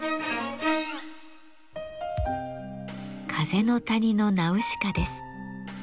「風の谷のナウシカ」です。